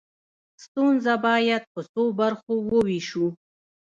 ستونزه باید په څو برخو وویشو.